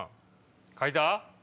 書いた？